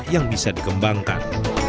yang bisa dikembangkan